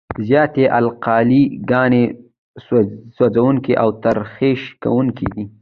زیاتې القلي ګانې سوځونکي او تخریش کوونکي دي.